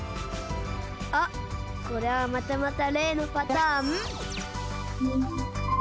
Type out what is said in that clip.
あっこれはまたまたれいのパターン？